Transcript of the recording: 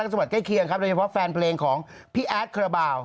จังหวัดใกล้เคียงครับโดยเฉพาะแฟนเพลงของพี่แอดคาราบาล